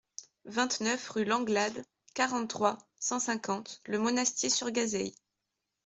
vingt-neuf rue Langlade, quarante-trois, cent cinquante, Le Monastier-sur-Gazeille